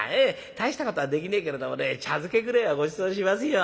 大したことはできねえけれどもね茶漬けぐれえはごちそうしますよ。